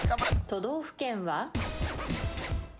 都道府県は？